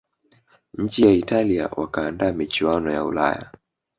nchi ya italia wakaandaa michuano ya ulaya